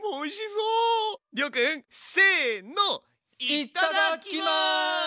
いっただっきます！